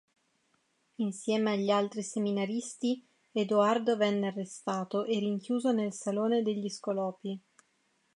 Insieme agli altri seminaristi Edoardo venne arrestato e rinchiuso nel salone degli Scolopi.